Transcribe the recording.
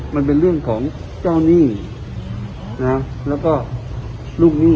มันเป็นเรื่องของเจ้าหนี้นะแล้วก็ลูกหนี้